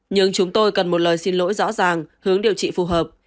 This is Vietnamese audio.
nhưng chúng tôi cần một lời xin lỗi rõ ràng hướng điều trị phù hợp